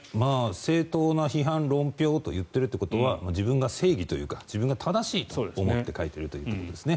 正当な批判・論評と言っているということは自分が正義というか自分が正しいと思って書いているということです。